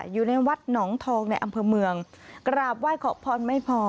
อยู่ในวัดหนองทองในอำเภอเมืองกราบไหว้ขอพรไม่พอ